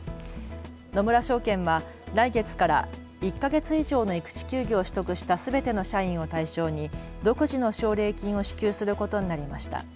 野村証券は来月から１か月以上の育児休業を取得したすべての社員を対象に独自の奨励金を支給することになりました。